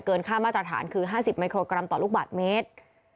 ค่ามาตรฐานคือ๕๐มิโครกรัมต่อลูกบาทเมตร